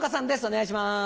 お願いします。